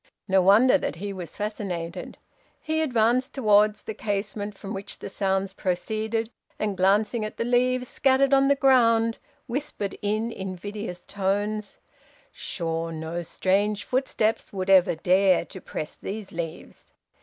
No wonder that he was fascinated; he advanced towards the casement from which the sounds proceeded, and glancing at the leaves scattered on the ground, whispered in invidious tones, 'Sure no strange footsteps would ever dare to press these leaves.'